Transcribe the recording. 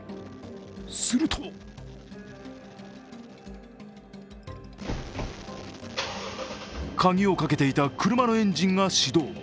すると鍵をかけていた車のエンジンが始動。